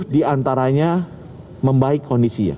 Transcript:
tujuh diantaranya membaik kondisinya